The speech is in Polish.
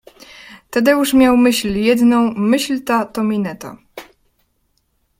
Tadeusz miał myśl jedną - myśl ta to mineta.